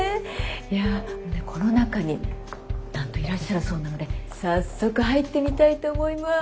いやこの中になんといらっしゃるそうなので早速入ってみたいと思います。